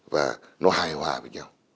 và nó hài hòa với nhau